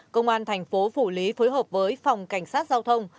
công an thành phố phủ lý phối hợp với phòng cảnh sát giao thông